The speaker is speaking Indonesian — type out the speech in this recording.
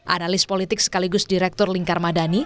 analis politik sekaligus direktur lingkar madani